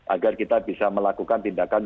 agar kita bisa melakukan tindakan